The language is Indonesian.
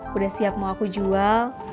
udah siap mau aku jual